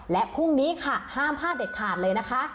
และพรุ่งนี้ค่ะห้ามพลาดเด็ดขาดเลยนะคะ